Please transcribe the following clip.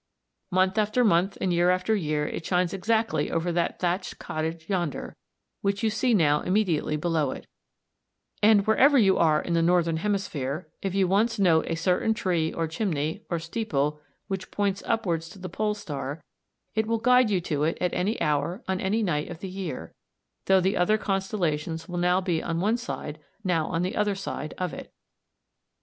Month after month and year after year it shines exactly over that thatched cottage yonder, which you see now immediately below it; and wherever you are in the northern hemisphere, if you once note a certain tree, or chimney, or steeple which points upwards to the Pole star, it will guide you to it at any hour on any night of the year, though the other constellations will be now on one side, now on the other side of it.